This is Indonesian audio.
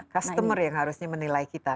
customer yang harusnya menilai kita